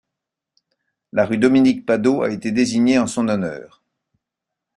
La Rue Dominique-Pado a été désignée en son honneur.